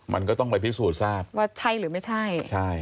มันก็ต้องไปพิสูจน์ทราบว่าใช่หรือไม่ใช่ใช่